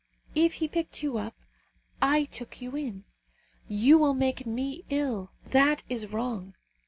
If he picked you up, I took you in. You will make me ill. That is wrong.